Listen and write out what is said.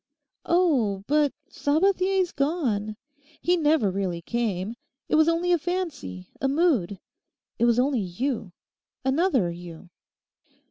'Oh, but Sabathier's gone: he never really came. It was only a fancy—a mood. It was only you—another you.